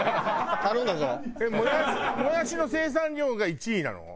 もやしの生産量が１位なの？